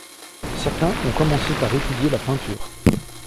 Certains ont commencé par étudier la peinture.